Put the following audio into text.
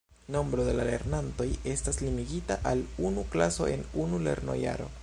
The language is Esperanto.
Nombro de lernantoj estas limigita al unu klaso en unu lernojaro.